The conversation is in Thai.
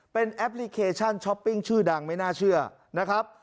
เป็นแอปพลิเคชันช้อปปิ้งชื่อดังไม่น่าเชื่อนะครับ